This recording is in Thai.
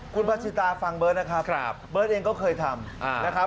คุณพาสีตาฟังเบิร์ดนะครับเบิร์ดเองก็เคยทำ